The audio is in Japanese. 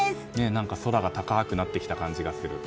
何か空が高くなってきた感じがする。